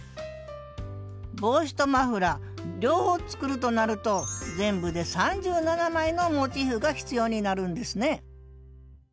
帽子とマフラー両方作るとなると全部で３７枚のモチーフが必要になるんですね